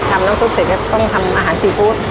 น้ำซุปเสร็จก็ต้องทำอาหารซีฟู้ด